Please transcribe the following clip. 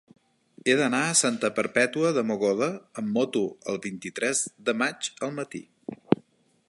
He d'anar a Santa Perpètua de Mogoda amb moto el vint-i-tres de maig al matí.